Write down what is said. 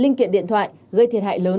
linh kiện điện thoại gây thiệt hại lớn